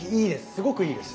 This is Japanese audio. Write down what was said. すごくいいです。